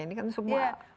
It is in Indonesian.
ini kan semua campur baur